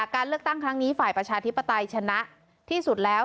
การเลือกตั้งครั้งนี้ฝ่ายประชาธิปไตยชนะที่สุดแล้ว